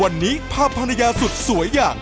วันนี้ภาพภรรยาสุดสวยอย่าง